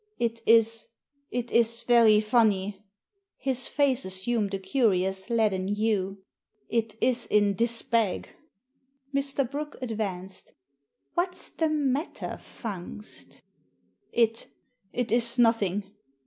" It is — it is very funny." His face assumed a curious leaden hue. " It is in this bag." Mr. Brooke advanced. " What's the matter, Fungst ?"" It — it is nothing.